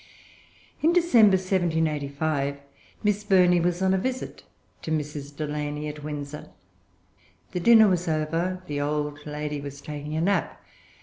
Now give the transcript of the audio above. In December, 1785, Miss Burney was on a visit to Mrs. Delany at Windsor. The dinner was over. The old lady was taking a nap.